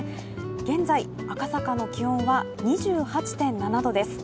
現在、赤坂の気温は２８．７度です。